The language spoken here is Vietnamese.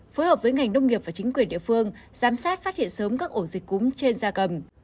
phối hợp với ngành nông nghiệp và chính quyền địa phương giám sát phát hiện sớm các ổ dịch cúm trên da cầm